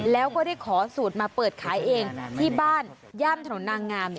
แล้วก็ได้ขอสูตรมาเปิดขายเองที่บ้านย่านถนนนางงาม